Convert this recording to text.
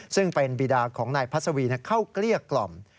ซึ่งเป็นบีดาของนายพัศวีเข้าเกลี้ยกล่อม